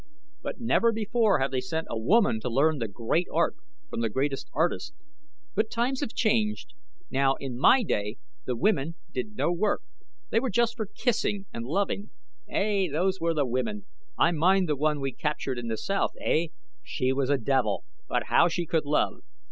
But never before have they sent a woman to learn the great art from the greatest artist. But times have changed. Now, in my day the women did no work they were just for kissing and loving. Ey, those were the women. I mind the one we captured in the south ey! she was a devil, but how she could love.